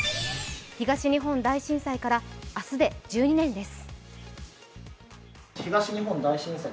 東日本大震災から明日で１２年です。